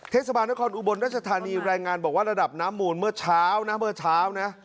เทศบาลนครอุบลรัชธานีรายงานบอกว่าระดับน้ำมูลเมื่อเช้านะเมื่อเช้านะ